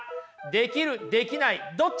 できるできないどっち？